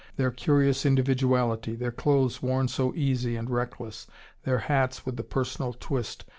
Their curious individuality, their clothes worn so easy and reckless, their hats with the personal twist.